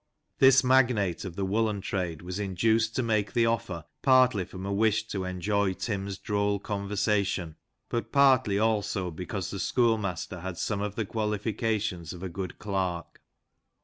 This magnate of the woollen trade was induced to make the offer partly from a wish to enjoy Tim's droll conversation, but partly also because the schoolmaster had some of the qualifications of a good clerk.